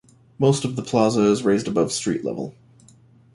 Most of the plaza is raised above street level.